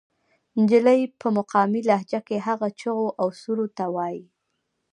جلۍ پۀ مقامي لهجه کښې هغه چغو او سُورو ته وائي